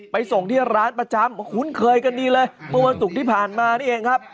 ไปส่งที่ร้านประจำคุ้นเคยกันดีเลยเมื่อวันศุกร์ที่ผ่านมานี่เองครับ